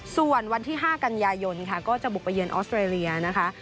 ส่วนวันที่๕กันยายนค่ะก็จะบุกไปเยือนออสเตรเลียนะคะ